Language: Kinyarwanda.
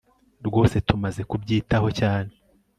Rwose Tumaze kubyitaho cyane